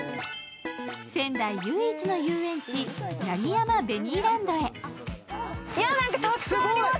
仙台唯一の遊園地、八木山ベニーランドへ。